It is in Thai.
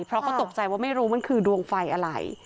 เพราะเขาตกใจว่าไม่รู้มันคือดวงไฟอะไร